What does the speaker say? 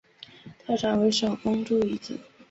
特产为手工猪胰子。